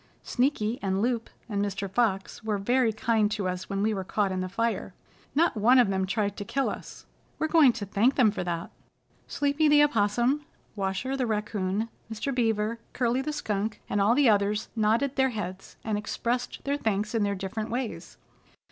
Sneaky and Loup and Mr. Fox were very kind to us when we were caught in the fire. Not one of them tried to kill us. We're going to thank them for that." Sleepy the Opossum, Washer the Raccoon, Mr. Beaver, Curly the Skunk and all the others nodded their heads, and expressed their thanks in their different ways.